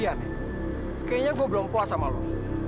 iya nih kayaknya gue belum puas sama lo